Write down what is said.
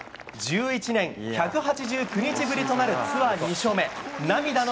１１年１８９日ぶりとなるツアー２勝目。